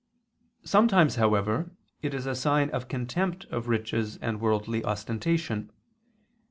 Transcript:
Sometimes, however, it is a sign of the contempt of riches and worldly ostentation.